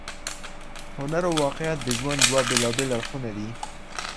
هنر او واقعیت د ژوند دوه بېلابېل اړخونه دي.